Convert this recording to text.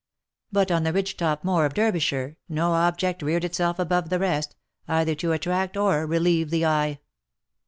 But on the Ridgetop Moor of Derbyshire, no object reared itself above the rest, either to attract or relieve the eye.